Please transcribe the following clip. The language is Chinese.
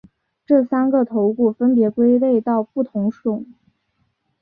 这三个头骨分别归类到不同种。